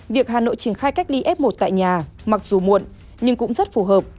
việc hà nội triển khai cách ly f một tại nhà mặc dù muộn nhưng cũng rất phù hợp